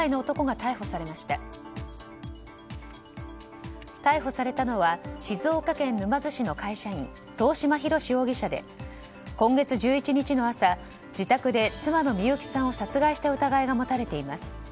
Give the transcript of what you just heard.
逮捕されたのは静岡県沼津市の会社員遠嶋博志容疑者で今月１１日の朝自宅で妻のみゆきさんを殺害した疑いが持たれています。